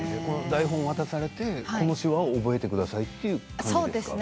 台本を渡されてこの手話を覚えてくださいと言われるんですか。